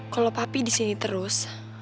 kalau papi disini terus